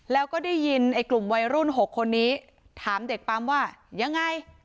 แล้วก็ได้ยินไอ้กลุ่มวัยรุ่น๖คนนี้ถามเด็กปั๊มว่ายังไง